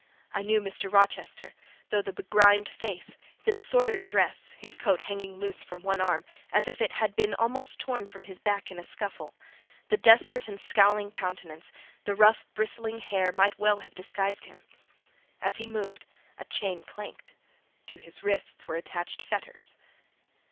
I knew Mr. Rochester; though the begrimed face, the disordered dress (his coat hanging loose from one arm, as if it had been almost torn from his back in a scuffle), the desperate and scowling countenance, the rough, bristling hair might well have disguised him. As he moved, a chain clanked; to his wrists were attached fetters.